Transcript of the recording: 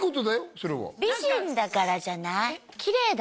それは美人だからじゃない？